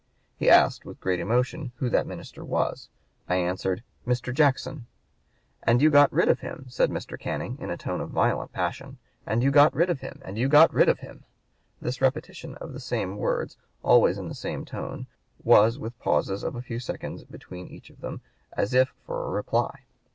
He asked, with great emotion, who that minister was. I answered, 'Mr. Jackson.' 'And you got rid of him!' said Mr. Canning, in a tone of violent passion 'and you got rid of him! and you got rid of him!' This repetition of the same words, always in the same tone, was with pauses of a few seconds between each of them, as if for a reply.